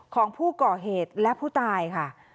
ของผู้ก่อเหตุและผู้ตายค่ะ